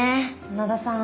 野田さん